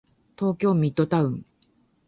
東京ミッドタウン